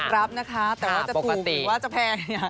รับนะคะแต่ว่าจะปลูกหรือว่าจะแพง